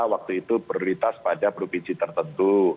waktu itu prioritas pada provinsi tertentu